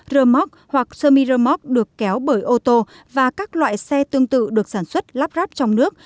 rơ móc hoặc sơ mi rơ móc được kéo bởi ô tô và các loại xe tương tự được sản xuất lắp ráp trong nước